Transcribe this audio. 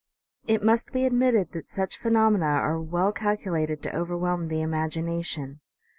It must be admitted that such phenomena are well cal culated to overwhelm the imagination.